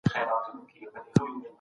موږ بايد د خدای د اوامرو پيروي وکړو.